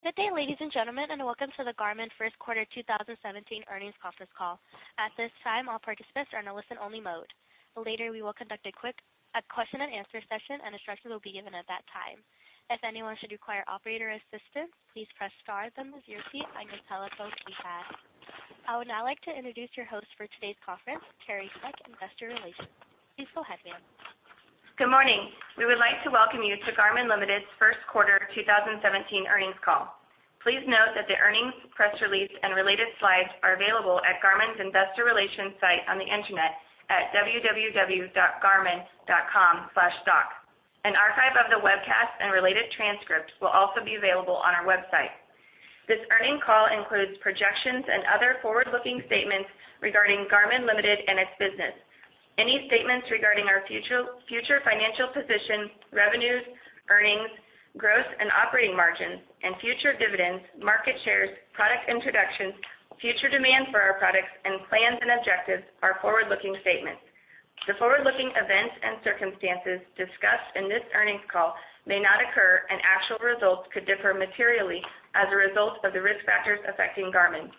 Good day, ladies and gentlemen, and welcome to the Garmin first quarter 2017 earnings conference call. At this time, all participants are in a listen-only mode. Later, we will conduct a question and answer session, and instructions will be given at that time. If anyone should require operator assistance, please press star then the zero key on your telephone keypad. I would now like to introduce your host for today's conference, Teri Seck, Investor Relations. Please go ahead, ma'am. Good morning. We would like to welcome you to Garmin Ltd.'s first quarter 2017 earnings call. Please note that the earnings press release and related slides are available at Garmin's Investor Relations site on the internet at www.garmin.com/stock. An archive of the webcast and related transcript will also be available on our website. This earnings call includes projections and other forward-looking statements regarding Garmin Ltd. and its business. Any statements regarding our future financial position, revenues, earnings, growth, and operating margins and future dividends, market shares, product introductions, future demand for our products, and plans and objectives are forward-looking statements. The forward-looking events and circumstances discussed in this earnings call may not occur, and actual results could differ materially as a result of the risk factors affecting Garmin.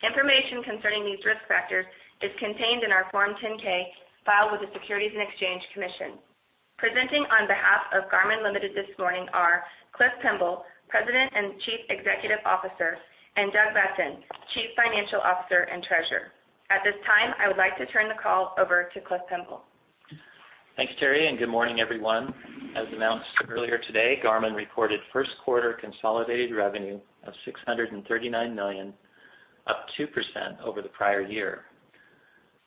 Information concerning these risk factors is contained in our Form 10-K filed with the Securities and Exchange Commission. Presenting on behalf of Garmin Ltd. this morning are Clifton Pemble, President and Chief Executive Officer, and Douglas Boessen, Chief Financial Officer and Treasurer. At this time, I would like to turn the call over to Clifton Pemble. Thanks, Teri, and good morning, everyone. As announced earlier today, Garmin reported first quarter consolidated revenue of $639 million, up 2% over the prior year.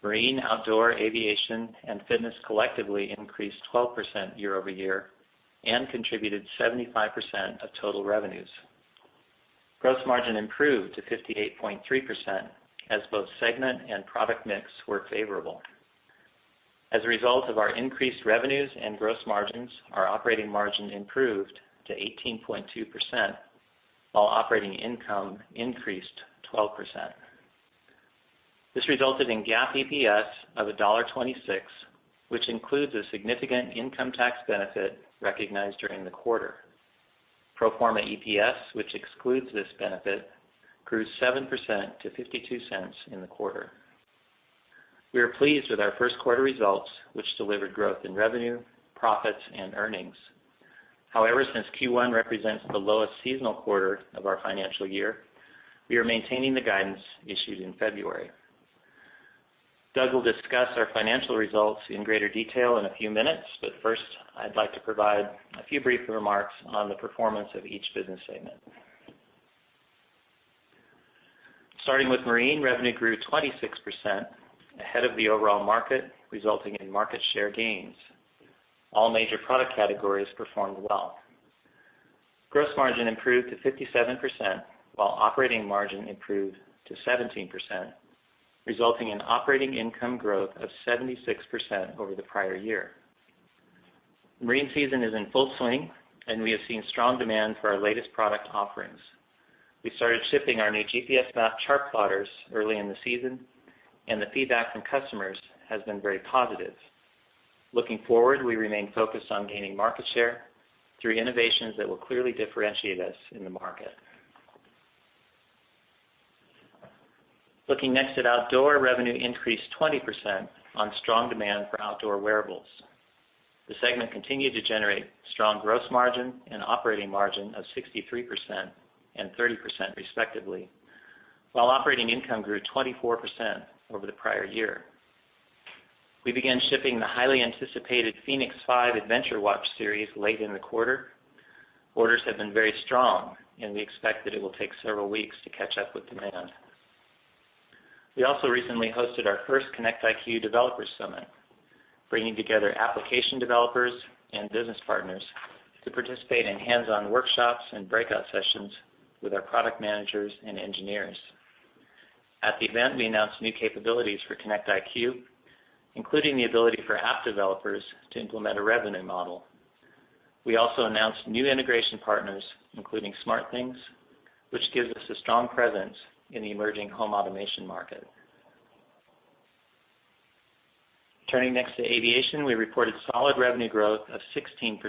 Marine, outdoor, aviation, and fitness collectively increased 12% year-over-year and contributed 75% of total revenues. Gross margin improved to 58.3% as both segment and product mix were favorable. As a result of our increased revenues and gross margins, our operating margin improved to 18.2%, while operating income increased 12%. This resulted in GAAP EPS of $1.26, which includes a significant income tax benefit recognized during the quarter. Pro forma EPS, which excludes this benefit, grew 7% to $0.52 in the quarter. We are pleased with our first quarter results, which delivered growth in revenue, profits and earnings. However, since Q1 represents the lowest seasonal quarter of our financial year, we are maintaining the guidance issued in February. Doug will discuss our financial results in greater detail in a few minutes, but first, I'd like to provide a few brief remarks on the performance of each business segment. Starting with marine, revenue grew 26% ahead of the overall market, resulting in market share gains. All major product categories performed well. Gross margin improved to 57%, while operating margin improved to 17%, resulting in operating income growth of 76% over the prior year. Marine season is in full swing, and we have seen strong demand for our latest product offerings. We started shipping our new GPSMAP chart plotters early in the season, and the feedback from customers has been very positive. Looking forward, we remain focused on gaining market share through innovations that will clearly differentiate us in the market. Looking next at outdoor, revenue increased 20% on strong demand for outdoor wearables. The segment continued to generate strong gross margin and operating margin of 63% and 30% respectively, while operating income grew 24% over the prior year. We began shipping the highly anticipated fēnix 5 adventure watch series late in the quarter. Orders have been very strong, and we expect that it will take several weeks to catch up with demand. We also recently hosted our first Connect IQ Developer Summit, bringing together application developers and business partners to participate in hands-on workshops and breakout sessions with our product managers and engineers. At the event, we announced new capabilities for Connect IQ, including the ability for app developers to implement a revenue model. We also announced new integration partners, including SmartThings, which gives us a strong presence in the emerging home automation market. Turning next to aviation, we reported solid revenue growth of 16%,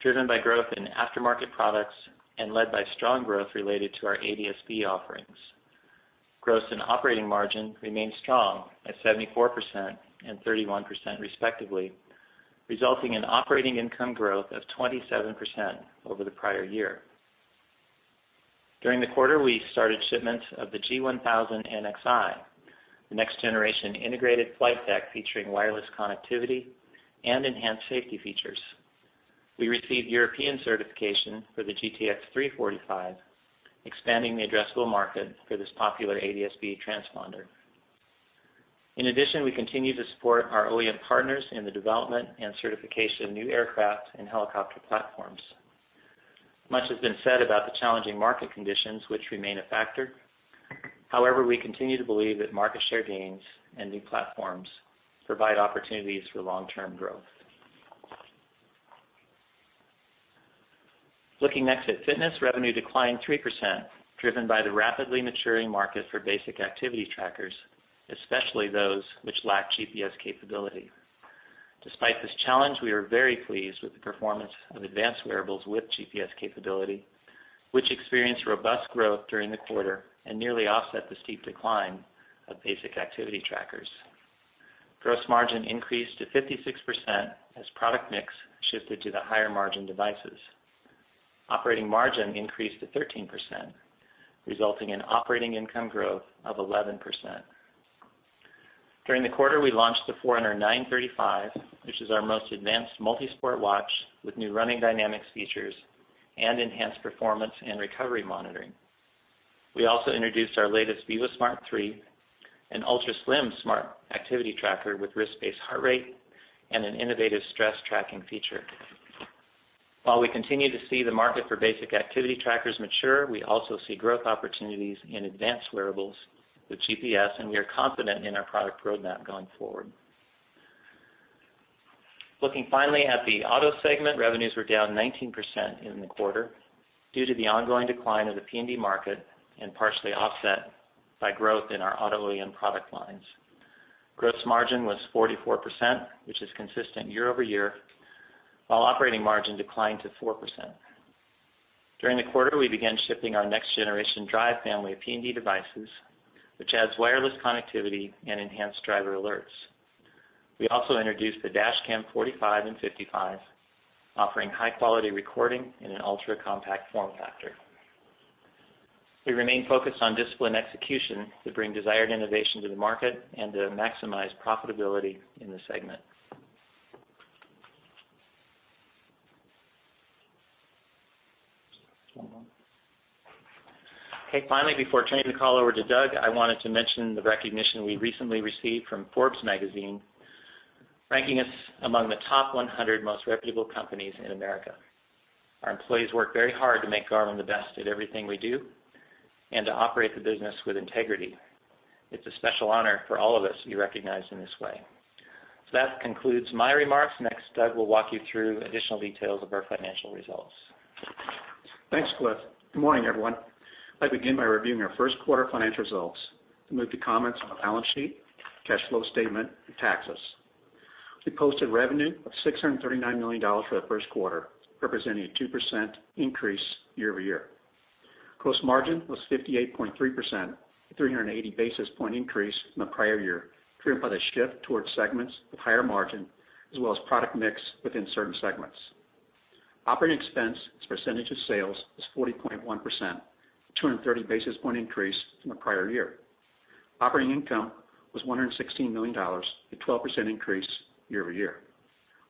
driven by growth in aftermarket products and led by strong growth related to our ADS-B offerings. Gross and operating margin remained strong at 74% and 31% respectively, resulting in operating income growth of 27% over the prior year. During the quarter, we started shipments of the G1000 NXi, the next generation integrated flight deck featuring wireless connectivity and enhanced safety features. We received European certification for the GTX 345, expanding the addressable market for this popular ADS-B transponder. In addition, we continue to support our OEM partners in the development and certification of new aircraft and helicopter platforms. Much has been said about the challenging market conditions, which remain a factor. However, we continue to believe that market share gains and new platforms provide opportunities for long-term growth. Looking next at fitness, revenue declined 3%, driven by the rapidly maturing market for basic activity trackers, especially those which lack GPS capability. Despite this challenge, we are very pleased with the performance of advanced wearables with GPS capability, which experienced robust growth during the quarter and nearly offset the steep decline of basic activity trackers. Gross margin increased to 56% as product mix shifted to the higher margin devices. Operating margin increased to 13%, resulting in operating income growth of 11%. During the quarter, we launched the Forerunner 935, which is our most advanced multi-sport watch with new running dynamics features and enhanced performance and recovery monitoring. We also introduced our latest vívosmart 3, an ultra-slim smart activity tracker with wrist-based heart rate and an innovative stress tracking feature. While we continue to see the market for basic activity trackers mature, we also see growth opportunities in advanced wearables with GPS, and we are confident in our product roadmap going forward. Looking finally at the auto segment, revenues were down 19% in the quarter due to the ongoing decline of the PND market and partially offset by growth in our auto OEM product lines. Gross margin was 44%, which is consistent year-over-year, while operating margin declined to 4%. During the quarter, we began shipping our next generation Garmin Drive family of PND devices, which adds wireless connectivity and enhanced driver alerts. We also introduced the Garmin Dash Cam 45 and 55, offering high-quality recording in an ultra-compact form factor. We remain focused on disciplined execution to bring desired innovation to the market and to maximize profitability in this segment. Okay. Finally, before turning the call over to Doug, I wanted to mention the recognition we recently received from Forbes magazine, ranking us among the top 100 most reputable companies in America. Our employees work very hard to make Garmin the best at everything we do and to operate the business with integrity. It's a special honor for all of us to be recognized in this way. That concludes my remarks. Next, Doug will walk you through additional details of our financial results. Thanks, Cliff. Good morning, everyone. I begin by reviewing our first quarter financial results, then move to comments on the balance sheet, cash flow statement and taxes. We posted revenue of $639 million for the first quarter, representing a 2% increase year-over-year. Gross margin was 58.3%, a 380-basis point increase from the prior year, driven by the shift towards segments with higher margin as well as product mix within certain segments. Operating expense as a percentage of sales was 40.1%, a 230-basis point increase from the prior year. Operating income was $116 million, a 12% increase year-over-year.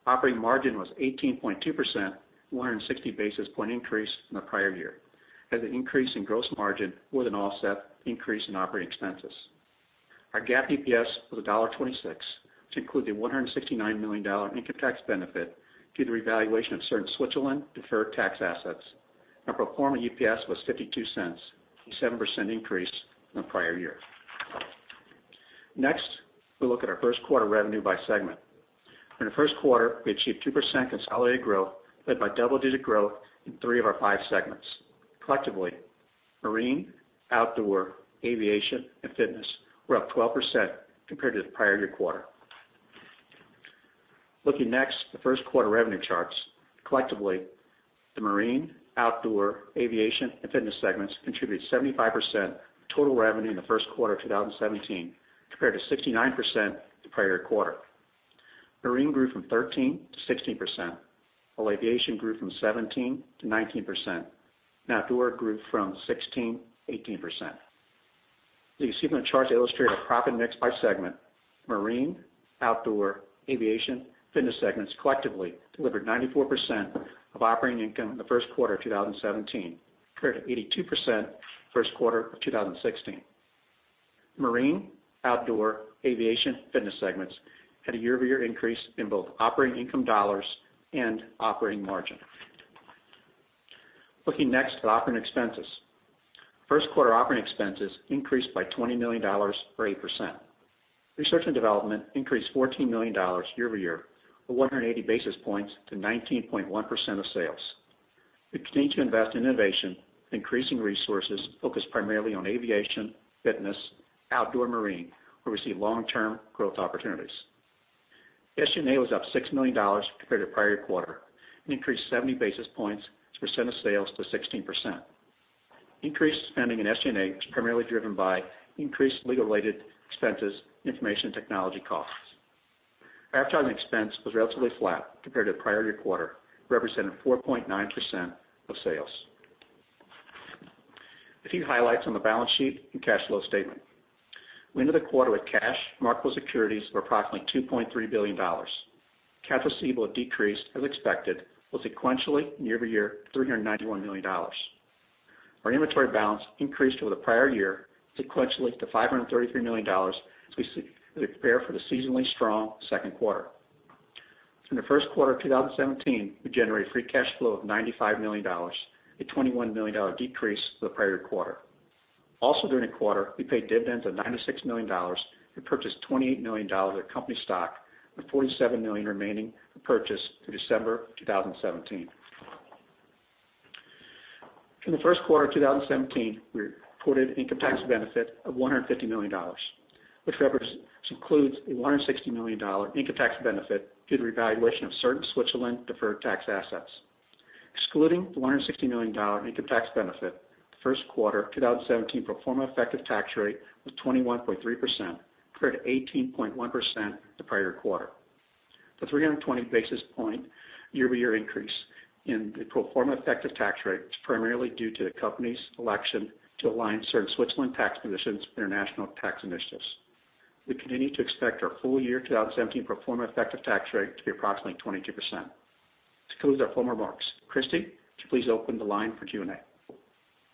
Operating margin was 18.2%, a 160-basis point increase from the prior year, as an increase in gross margin with an offset increase in operating expenses. Our GAAP EPS was $1.26, which include the $169 million income tax benefit due to the revaluation of certain Switzerland deferred tax assets. Our pro forma EPS was $0.52, a 7% increase from the prior year. Next, we'll look at our first quarter revenue by segment. In the first quarter, we achieved 2% consolidated growth, led by double-digit growth in three of our five segments. Collectively, marine, outdoor, aviation, and fitness were up 12% compared to the prior year quarter. Looking next at the first quarter revenue charts. Collectively, the marine, outdoor, aviation, and fitness segments contributed 75% of total revenue in the first quarter of 2017 compared to 69% the prior year quarter. Marine grew from 13% to 16%, while aviation grew from 17% to 19%, and outdoor grew from 16% to 18%. The subsequent charts illustrate our profit mix by segment. Marine, outdoor, aviation, fitness segments collectively delivered 94% of operating income in the first quarter of 2017, compared to 82% first quarter of 2016. Marine, outdoor, aviation, fitness segments had a year-over-year increase in both operating income dollars and operating margin. Looking next at operating expenses. First quarter operating expenses increased by $20 million or 8%. Research and development increased $14 million year-over-year, or 180 basis points to 19.1% of sales. We continue to invest in innovation, increasing resources focused primarily on aviation, fitness, outdoor, marine, where we see long-term growth opportunities. SG&A was up $6 million compared to the prior year quarter, an increase of 70 basis points as a percent of sales to 16%. Increased spending in SG&A was primarily driven by increased legal-related expenses and information technology costs. Advertising expense was relatively flat compared to the prior year quarter, representing 4.9% of sales. A few highlights on the balance sheet and cash flow statement. We ended the quarter with cash, marketable securities of approximately $2.3 billion. Accounts receivable had decreased as expected, while sequentially and year-over-year, $391 million. Our inventory balance increased over the prior year sequentially to $533 million as we prepare for the seasonally strong second quarter. In the first quarter of 2017, we generated free cash flow of $95 million, a $21 million decrease to the prior quarter. Also during the quarter, we paid dividends of $96 million and purchased $28 million of company stock with $47 million remaining to purchase through December 2017. In the first quarter of 2017, we reported income tax benefit of $150 million, which includes a $160 million income tax benefit due to revaluation of certain Switzerland deferred tax assets. Excluding the $160 million income tax benefit, first quarter 2017 pro forma effective tax rate was 21.3%, compared to 18.1% the prior quarter. The 320 basis point year-over-year increase in the pro forma effective tax rate is primarily due to the company's election to align certain Switzerland tax positions with international tax initiatives. We continue to expect our full year 2017 pro forma effective tax rate to be approximately 22%. This concludes our formal remarks. Christy, would you please open the line for Q&A?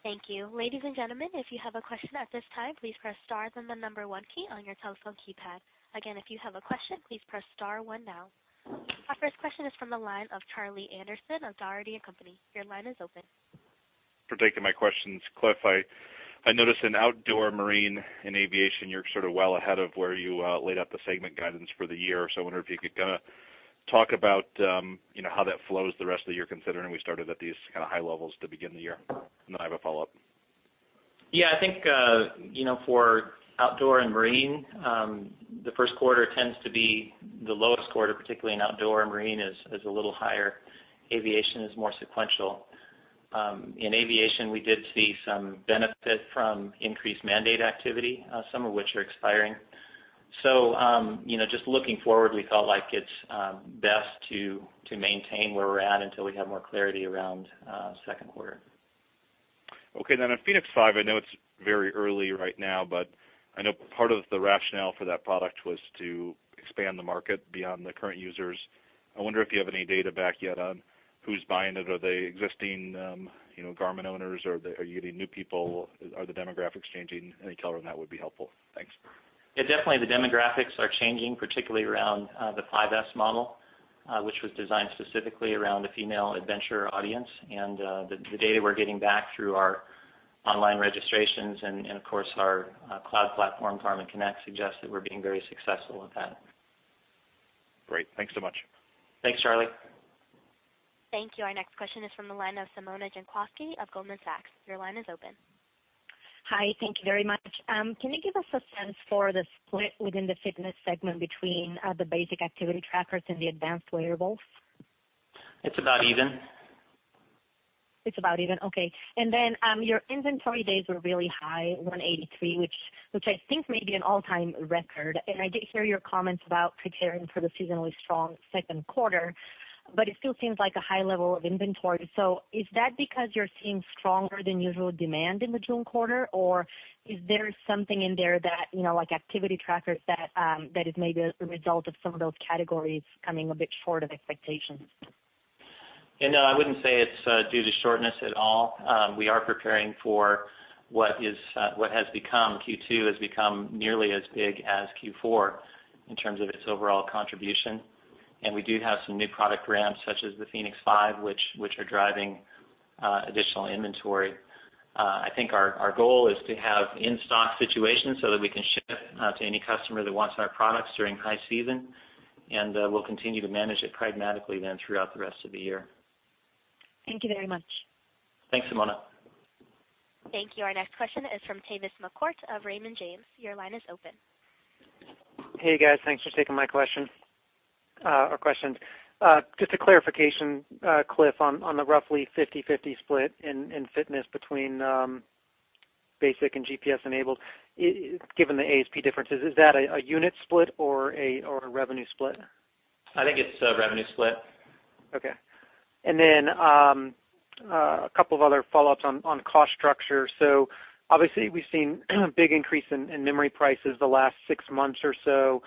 Thank you. Ladies and gentlemen, if you have a question at this time, please press star then the number one key on your telephone keypad. Again, if you have a question, please press star one now. Our first question is from the line of Charlie Anderson of Dougherty & Company. Your line is open. For taking my questions, Cliff, I noticed in outdoor, marine, and aviation, you're sort of well ahead of where you laid out the segment guidance for the year. I wonder if you could kind of talk about how that flows the rest of the year, considering we started at these kind of high levels to begin the year. Then I have a follow-up. Yeah, I think for outdoor and marine, the first quarter tends to be the lowest quarter, particularly in outdoor and marine is a little higher. Aviation is more sequential. In aviation, we did see some benefit from increased mandate activity, some of which are expiring. Just looking forward, we felt like it's best to maintain where we're at until we have more clarity around second quarter. Okay. On fēnix 5, I know it's very early right now, I know part of the rationale for that product was to expand the market beyond the current users. I wonder if you have any data back yet on who's buying it. Are they existing Garmin owners? Are you getting new people? Are the demographics changing? Any color on that would be helpful. Thanks. Yeah, definitely the demographics are changing, particularly around the 5S model, which was designed specifically around the female adventurer audience. The data we're getting back through our online registrations and of course, our cloud platform, Garmin Connect, suggests that we're being very successful with that. Great. Thanks so much. Thanks, Charlie. Thank you. Our next question is from the line of Simona Jankowski of Goldman Sachs. Your line is open. Hi. Thank you very much. Can you give us a sense for the split within the fitness segment between the basic activity trackers and the advanced wearables? It's about even. It's about even. Okay. Then, your inventory days were really high, 183, which I think may be an all-time record. I did hear your comments about preparing for the seasonally strong second quarter, but it still seems like a high level of inventory. Is that because you're seeing stronger than usual demand in the June quarter, or is there something in there that, like activity trackers, that is maybe a result of some of those categories coming a bit short of expectations? No, I wouldn't say it's due to shortness at all. We are preparing for what has become Q2, has become nearly as big as Q4 in terms of its overall contribution. We do have some new product ramps, such as the fēnix 5, which are driving additional inventory. I think our goal is to have in-stock situations so that we can ship to any customer that wants our products during high season, and we'll continue to manage it pragmatically then throughout the rest of the year. Thank you very much. Thanks, Simona. Thank you. Our next question is from Tavis McCourt of Raymond James. Your line is open. Hey, guys. Thanks for taking my question, or questions. Just a clarification, Cliff, on the roughly 50/50 split in fitness between basic and GPS enabled, given the ASP differences, is that a unit split or a revenue split? I think it's a revenue split. Okay. A couple of other follow-ups on cost structure. Obviously, we've seen a big increase in memory prices the last six months or so.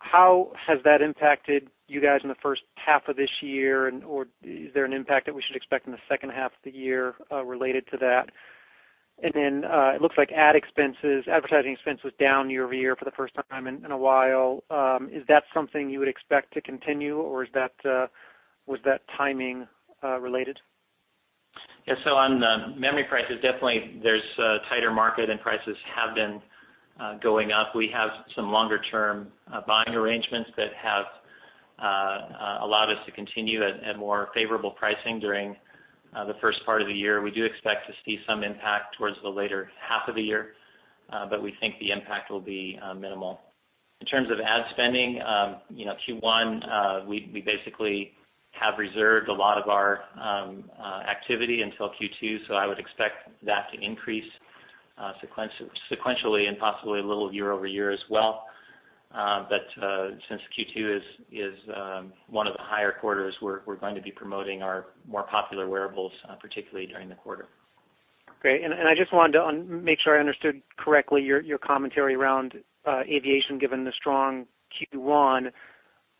How has that impacted you guys in the first half of this year, or is there an impact that we should expect in the second half of the year related to that? It looks like advertising expense was down year-over-year for the first time in a while. Is that something you would expect to continue, or was that timing related? Yeah. On the memory prices, definitely there's a tighter market and prices have been going up. We have some longer-term buying arrangements that have allowed us to continue at more favorable pricing during the first part of the year. We do expect to see some impact towards the later half of the year, but we think the impact will be minimal. In terms of ad spending, Q1, we basically have reserved a lot of our activity until Q2. I would expect that to increase sequentially and possibly a little year-over-year as well. Since Q2 is one of the higher quarters, we're going to be promoting our more popular wearables, particularly during the quarter. Great. I just wanted to make sure I understood correctly your commentary around aviation, given the strong Q1.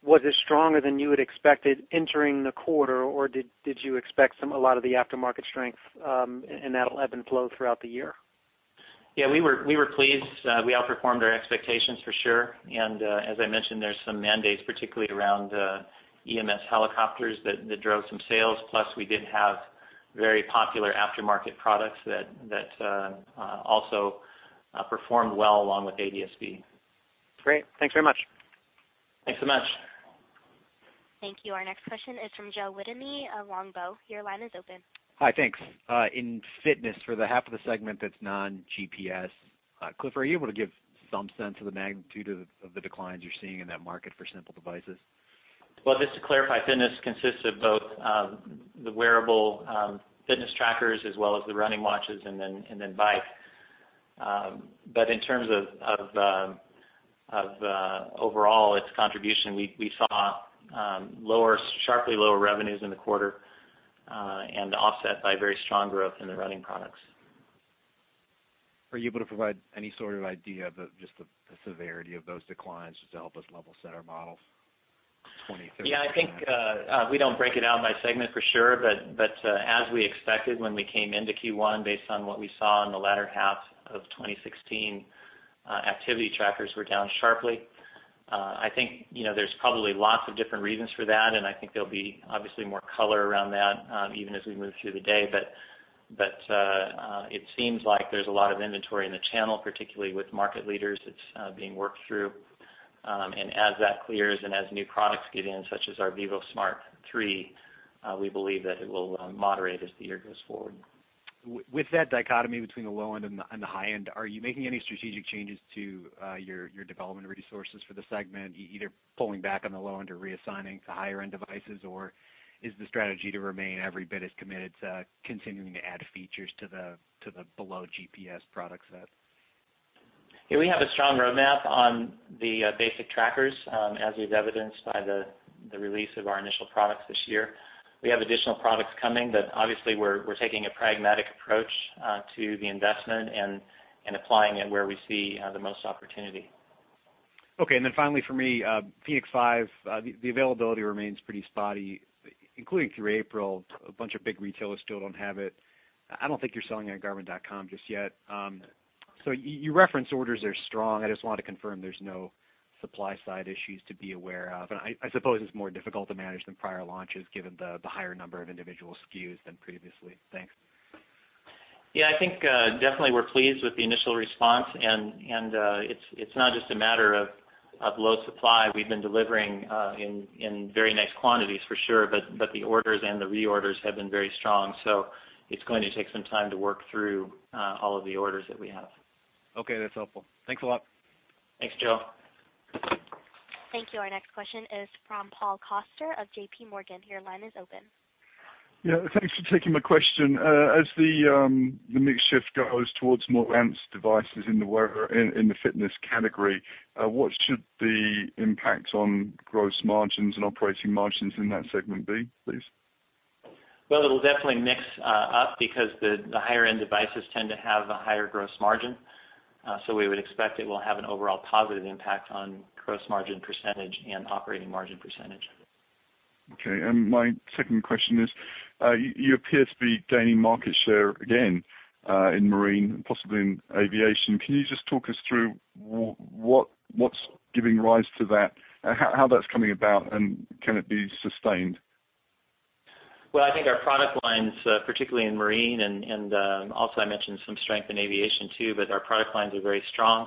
Was it stronger than you had expected entering the quarter, or did you expect a lot of the aftermarket strength that'll ebb and flow throughout the year? Yeah, we were pleased. We outperformed our expectations for sure. As I mentioned, there's some mandates, particularly around EMS helicopters, that drove some sales. Plus, we did have very popular aftermarket products that also performed well along with ADS-B. Great. Thanks very much. Thanks so much. Thank you. Our next question is from Joe Wittine of Longbow. Your line is open. Hi, thanks. In fitness, for the half of the segment that's non-GPS, Cliff, are you able to give some sense of the magnitude of the declines you're seeing in that market for simple devices? Just to clarify, fitness consists of both the wearable fitness trackers as well as the running watches and then bike. In terms of overall, its contribution, we saw sharply lower revenues in the quarter, and offset by very strong growth in the running products. Are you able to provide any sort of idea of just the severity of those declines, just to help us level-set our models for 2023? Yeah, I think we don't break it out by segment, for sure. As we expected when we came into Q1, based on what we saw in the latter half of 2016, activity trackers were down sharply. I think there's probably lots of different reasons for that, and I think there'll be obviously more color around that even as we move through the day. It seems like there's a lot of inventory in the channel, particularly with market leaders, that's being worked through. As that clears and as new products get in, such as our vívosmart 3, we believe that it will moderate as the year goes forward. With that dichotomy between the low end and the high end, are you making any strategic changes to your development resources for the segment, either pulling back on the low end or reassigning to higher-end devices? Is the strategy to remain every bit as committed to continuing to add features to the below GPS product set? Yeah. We have a strong roadmap on the basic trackers, as is evidenced by the release of our initial products this year. We have additional products coming. Obviously, we're taking a pragmatic approach to the investment and applying it where we see the most opportunity. Okay. Finally for me, fēnix 5, the availability remains pretty spotty, including through April. A bunch of big retailers still don't have it. I don't think you're selling on garmin.com just yet. You reference orders are strong. I just want to confirm there's no supply side issues to be aware of. I suppose it's more difficult to manage than prior launches, given the higher number of individual SKUs than previously. Thanks. Yeah, I think definitely we're pleased with the initial response. It's not just a matter of low supply. We've been delivering in very nice quantities for sure. The orders and the reorders have been very strong. It's going to take some time to work through all of the orders that we have. Okay, that's helpful. Thanks a lot. Thanks, Joe. Thank you. Our next question is from Paul Coster of JPMorgan. Your line is open. Yeah, thanks for taking my question. As the mix shift goes towards more AMPS devices in the fitness category, what should the impact on gross margins and operating margins in that segment be, please? Well, it'll definitely mix up because the higher-end devices tend to have a higher gross margin. We would expect it will have an overall positive impact on gross margin percentage and operating margin percentage. My second question is, you appear to be gaining market share again in marine and possibly in aviation. Can you just talk us through what's giving rise to that, how that's coming about, and can it be sustained? Well, I think our product lines, particularly in marine, and also I mentioned some strength in aviation too, but our product lines are very strong.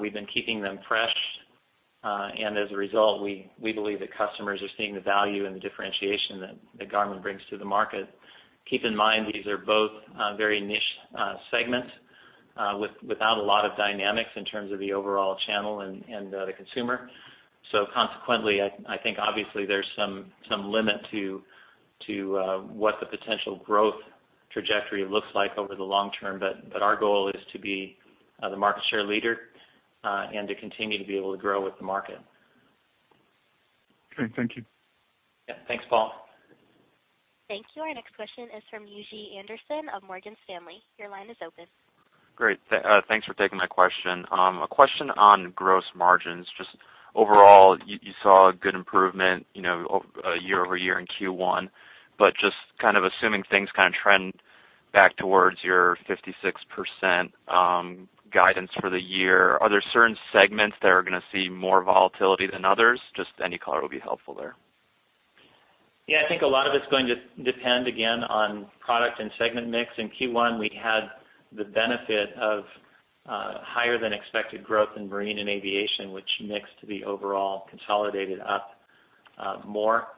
We've been keeping them fresh. As a result, we believe that customers are seeing the value and the differentiation that Garmin brings to the market. Keep in mind, these are both very niche segments without a lot of dynamics in terms of the overall channel and the consumer. Consequently, I think obviously there's some limit to what the potential growth trajectory looks like over the long term. Our goal is to be the market share leader, and to continue to be able to grow with the market. Okay, thank you. Yeah. Thanks, Paul. Thank you. Our next question is from Yuji Yamazaki of Morgan Stanley. Your line is open. Great. Thanks for taking my question. A question on gross margins. Just overall, you saw a good improvement year-over-year in Q1. Just assuming things trend back towards your 56% guidance for the year, are there certain segments that are going to see more volatility than others? Just any color would be helpful there. I think a lot of it's going to depend, again, on product and segment mix. In Q1, we had the benefit of higher than expected growth in marine and aviation, which mixed the overall consolidated up more.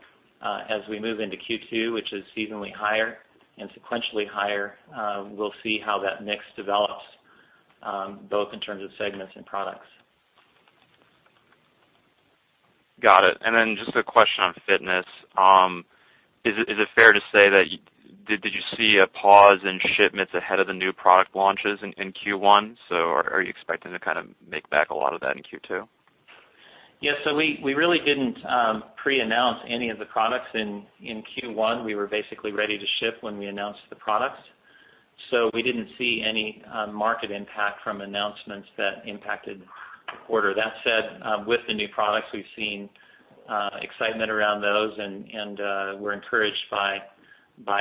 We move into Q2, which is seasonally higher and sequentially higher, we'll see how that mix develops, both in terms of segments and products. Got it. Just a question on fitness. Is it fair to say that, did you see a pause in shipments ahead of the new product launches in Q1? Are you expecting to make back a lot of that in Q2? Yeah, we really didn't pre-announce any of the products in Q1. We were basically ready to ship when we announced the products. We didn't see any market impact from announcements that impacted the quarter. That said, with the new products, we've seen excitement around those, and we're encouraged by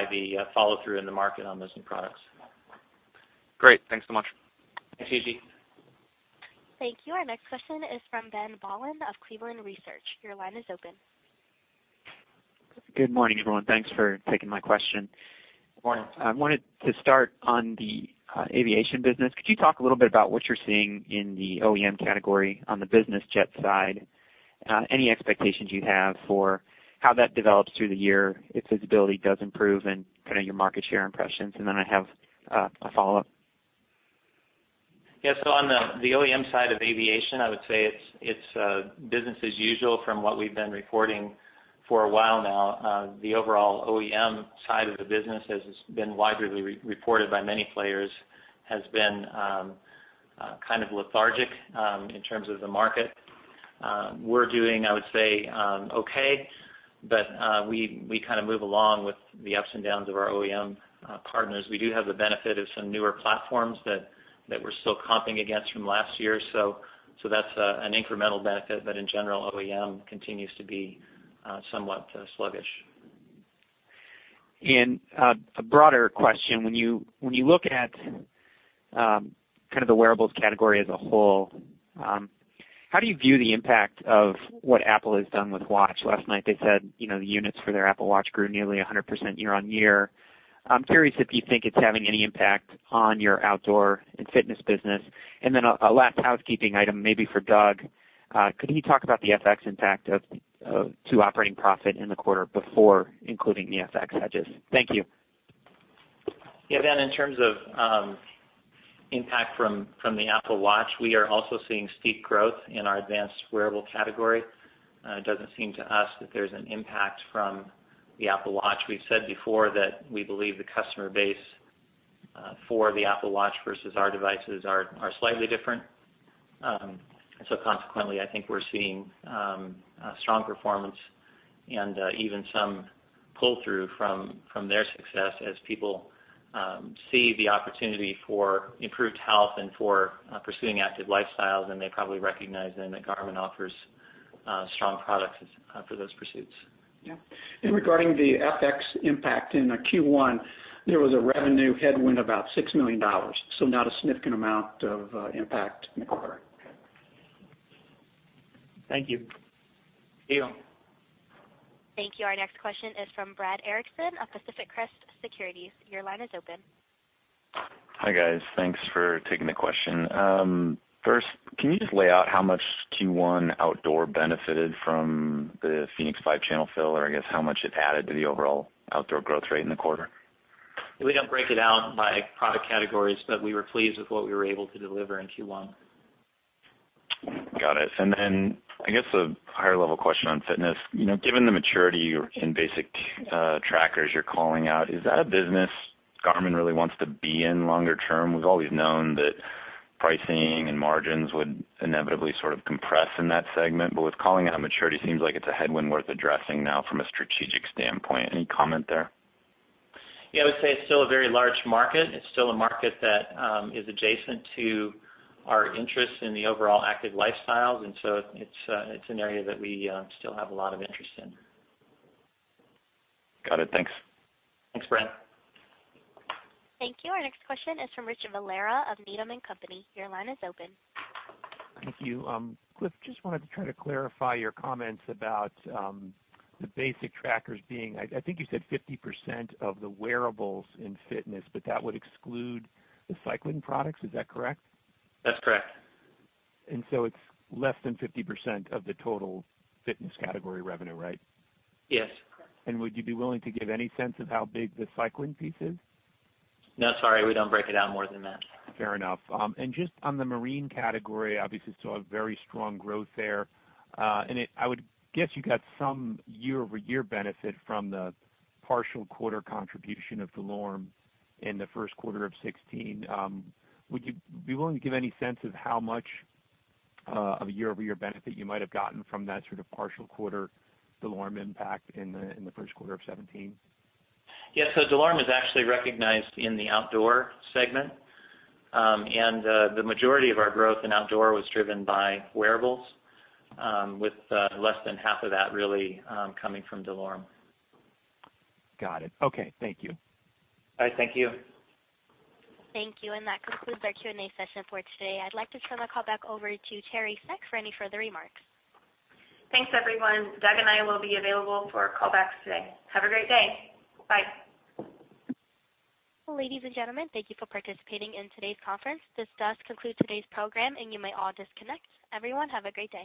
the follow-through in the market on those new products. Great. Thanks so much. Thanks, Yuji. Thank you. Our next question is from Ben Bollin of Cleveland Research. Your line is open. Good morning, everyone. Thanks for taking my question. Morning. I wanted to start on the aviation business. Could you talk a little bit about what you're seeing in the OEM category on the business jet side? Any expectations you have for how that develops through the year, if visibility does improve, and your market share impressions, and then I have a follow-up. On the OEM side of aviation, I would say it's business as usual from what we've been reporting for a while now. The overall OEM side of the business, as has been widely reported by many players, has been kind of lethargic in terms of the market. We're doing, I would say, okay, but we move along with the ups and downs of our OEM partners. We do have the benefit of some newer platforms that we're still comping against from last year. That's an incremental benefit, but in general, OEM continues to be somewhat sluggish. A broader question, when you look at the wearables category as a whole, how do you view the impact of what Apple has done with Watch? Last night they said the units for their Apple Watch grew nearly 100% year-over-year. I'm curious if you think it's having any impact on your outdoor and fitness business, and then a last housekeeping item maybe for Doug. Could you talk about the FX impact to operating profit in the quarter before including the FX hedges? Thank you. Ben, in terms of impact from the Apple Watch, we are also seeing steep growth in our advanced wearable category. It doesn't seem to us that there's an impact from the Apple Watch. We've said before that we believe the customer base for the Apple Watch versus our devices are slightly different. Consequently, I think we're seeing strong performance and even some pull-through from their success as people see the opportunity for improved health and for pursuing active lifestyles, and they probably recognize then that Garmin offers strong products for those pursuits. Regarding the FX impact in Q1, there was a revenue headwind about $6 million. Not a significant amount of impact in the quarter. Thank you. Thank you. Thank you. Our next question is from Brad Erickson of Pacific Crest Securities. Your line is open. Hi, guys. Thanks for taking the question. First, can you just lay out how much Q1 outdoor benefited from the fēnix 5 channel fill, or I guess how much it added to the overall outdoor growth rate in the quarter? We don't break it out by product categories, but we were pleased with what we were able to deliver in Q1. Got it. I guess a higher level question on fitness. Given the maturity in basic trackers you're calling out, is that a business Garmin really wants to be in longer term? We've always known that pricing and margins would inevitably compress in that segment, but with calling out maturity, seems like it's a headwind worth addressing now from a strategic standpoint. Any comment there? Yeah, I would say it's still a very large market. It's still a market that is adjacent to our interest in the overall active lifestyles, it's an area that we still have a lot of interest in. Got it. Thanks. Thanks, Brad. Thank you. Our next question is from Richard Valera of Needham & Company. Your line is open. Thank you. Cliff, just wanted to try to clarify your comments about the basic trackers being, I think you said 50% of the wearables in fitness, but that would exclude the cycling products, is that correct? That's correct. It's less than 50% of the total fitness category revenue, right? Yes. Would you be willing to give any sense of how big the cycling piece is? No, sorry, we don't break it out more than that. Fair enough. Just on the marine category, obviously still a very strong growth there. I would guess you got some year-over-year benefit from the partial quarter contribution of DeLorme in the first quarter of 2016. Would you be willing to give any sense of how much of a year-over-year benefit you might have gotten from that sort of partial quarter DeLorme impact in the first quarter of 2017? Yeah. DeLorme is actually recognized in the outdoor segment. The majority of our growth in outdoor was driven by wearables, with less than half of that really coming from DeLorme. Got it. Okay. Thank you. All right. Thank you. Thank you. That concludes our Q&A session for today. I'd like to turn the call back over to Teri Seck for any further remarks. Thanks, everyone. Doug and I will be available for callbacks today. Have a great day. Bye. Ladies and gentlemen, thank you for participating in today's conference. This does conclude today's program, and you may all disconnect. Everyone, have a great day.